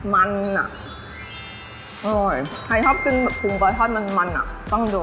มันอ่ะอร่อยใครชอบกินแบบปรุงปลาทอดมันมันอ่ะต้องดู